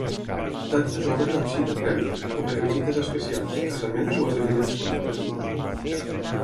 D'altres obren amb cita prèvia o per a visites especials, casaments o esdeveniments corporatius.